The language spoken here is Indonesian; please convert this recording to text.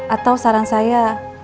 atau saran saya